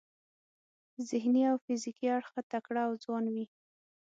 ذهني او فزیکي اړخه تکړه او ځوان وي.